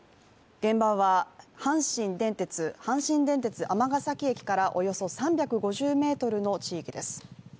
現場は阪神電鉄尼崎駅からおよそ３５０ｍの地域です。